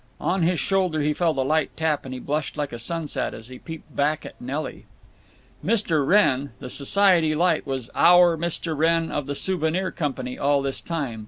On his shoulder he felt a light tap, and he blushed like a sunset as he peeped back at Nelly. Mr. Wrenn, the society light, was Our Mr. Wrenn of the Souvenir Company all this time.